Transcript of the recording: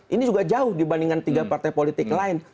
ini juga jauh dibandingkan tiga partai politik lain